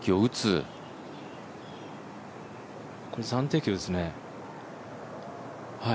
これ、暫定球ですね。